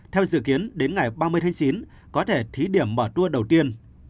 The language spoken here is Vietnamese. theo dự kiến đến ngày ba mươi chín có thể thí điểm mở tui đầu tiên